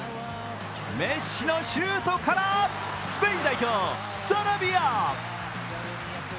メッシのシュートから、スペイン代表・サラビア。